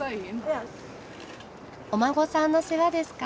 お孫さんの世話ですか？